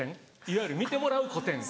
いわゆる見てもらう個展。